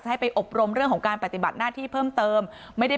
ให้ไปอบรมเรื่องของการปฏิบัติหน้าที่เพิ่มเติมไม่ได้